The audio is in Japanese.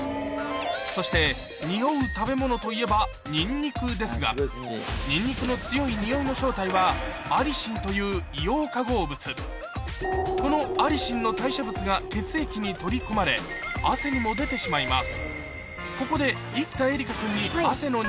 そしてにおう食べ物といえばニンニクの強いにおいの正体はアリシンという硫黄化合物このアリシンの代謝物が血液に取り込まれ汗にも出てしまいます